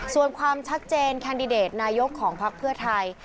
ส่วนความชัดเจนแคนดิเดตนายกของพักเพื่อไทย